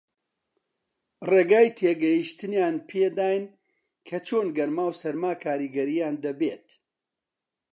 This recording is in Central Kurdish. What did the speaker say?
ڕێگای تێگەیشتنیان پێ داین کە چۆن گەرما و سارما کاریگەرییان دەبێت